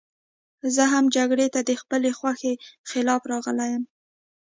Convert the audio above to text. زه هم جګړې ته د خپلې خوښې خلاف راغلی یم